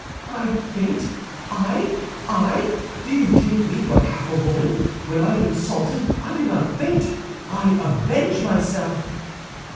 "I faint? I? I? Do you take me for half a woman? When I am insulted I do not faint; I avenge myself!"